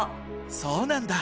そうなんだ。